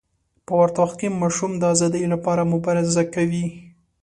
په ورته وخت کې ماشوم د ازادۍ لپاره مبارزه کوي.